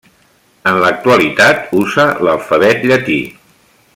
En l'actualitat usa l'alfabet llatí.